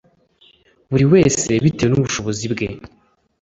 buri wese bitewe n'ubushobozi bwe